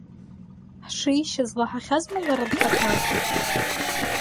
Ҳшишьыз лаҳахьазма лара лхаҭа?